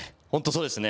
そうですね。